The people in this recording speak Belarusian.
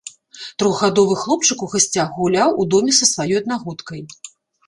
Трохгадовы хлопчык у гасцях гуляў у доме са сваёй аднагодкай.